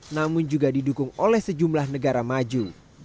namun juga didukung oleh sejumlah negara maju